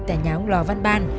tại nhà ông lò văn ban